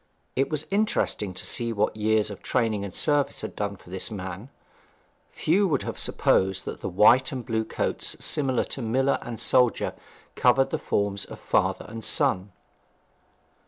It was interesting to see what years of training and service had done for this man. Few would have supposed that the white and the blue coats of miller and soldier covered the forms of father and son.